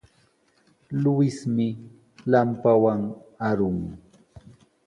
Luismi lampawan arun.